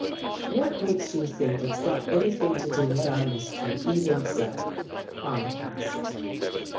" What makes you think it's got anything to do with our mystery, even so ?" I asked.